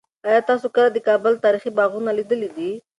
آیا تاسو کله د کابل تاریخي باغونه لیدلي دي؟